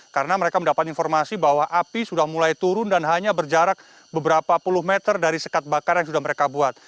karena mereka mendapat informasi bahwa api sudah mulai turun dan hanya berjarak beberapa puluh meter dari sekat bakar yang sudah mereka buat